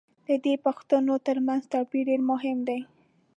د دې پوښتنو تر منځ توپیر دېر مهم دی.